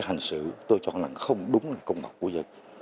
cái hành xử tôi chọn là không đúng công bậc của dân